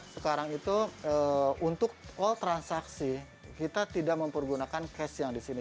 sekarang itu untuk all transaksi kita tidak mempergunakan cash yang di sini